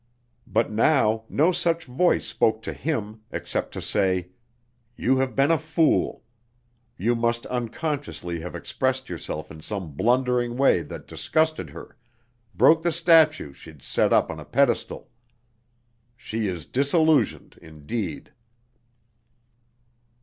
But now, no such voice spoke to him, except to say, "You have been a fool. You must unconsciously have expressed yourself in some blundering way that disgusted her, broke the statue she'd set up on a pedestal. She is 'disillusioned' indeed!"